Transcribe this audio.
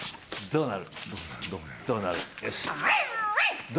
どうなる？